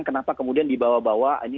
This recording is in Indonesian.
kenapa kemudian dibawa bawa ini